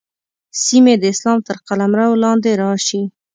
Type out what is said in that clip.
سیمې د اسلام تر قلمرو لاندې راشي.